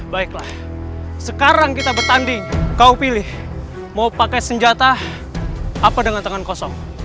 baiklah sekarang kita bertanding kau pilih mau pakai senjata apa dengan tangan kosong